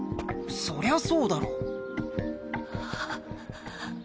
そりゃそうだろ。